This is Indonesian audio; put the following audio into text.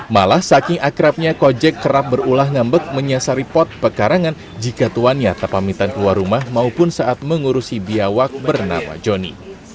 malah saking akrabnya kojek kerap berulah ngambek menyasari pot pekarangan jika tuannya terpamitan keluar rumah maupun saat mengurusi biawak bernama johnny